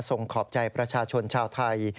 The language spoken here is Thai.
ขอบใจประชาชนชาวไทย